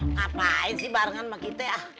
ngapain sih barengan sama kita ya